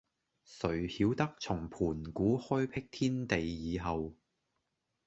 誰曉得從盤古開闢天地以後，